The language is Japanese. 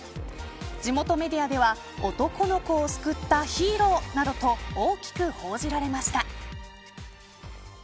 地元メディアでは男の子を救ったヒーローなどと大きく報じられました。